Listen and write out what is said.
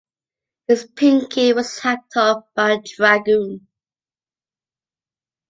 His pinkie was hacked off by a dragoon.